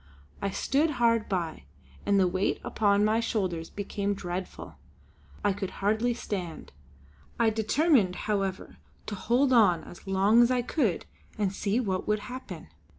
I stood hard by, and the weight upon my shoulders became dreadful. I could hardly stand; I determined, however, to hold on as long as I could and see what would happen.